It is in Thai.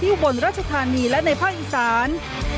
ที่อยู่บนราชธานีและในภาคอีสาน